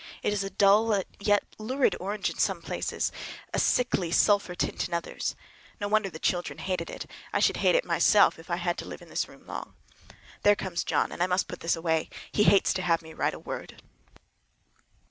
It is a dull yet lurid orange in some places, a sickly sulphur tint in others. No wonder the children hated it! I should hate it myself if I had to live in this room long. There comes John, and I must put this away,—he hates to have me write a word.